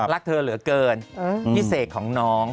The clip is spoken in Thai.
รักเธอเหลือเกินพี่เสกของน้อง